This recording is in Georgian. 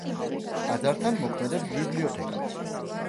ტაძართან მოქმედებს ბიბლიოთეკა.